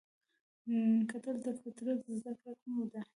کتل د فطرت زده کړه ده